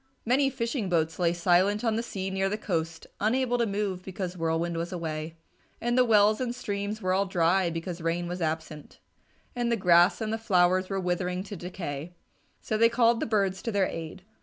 Many fishing boats lay silent on the sea near the coast unable to move because Whirlwind was away, and the wells and streams were all dry because Rain was absent, and the grass and the flowers were withering to decay. So they called the birds to their aid.